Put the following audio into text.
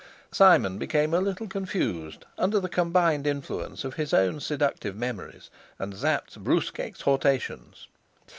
Simon became a little confused under the combined influence of his own seductive memories and Sapt's brusque exhortations.